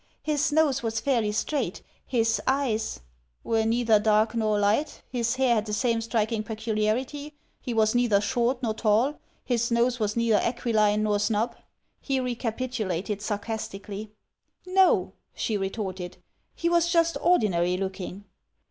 His nose was fairly straight — his eyes —" "Were neither dark nor light — his hair had the same striking peculiarity — he was neither short nor tall — his nose was neither aquiline nor snub —" he recapitulated, sarcastically. "No," she retorted; "he was just ordinary looking."